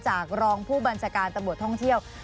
จากรองผู้บัญชาการตระบวดท่องเที่ยว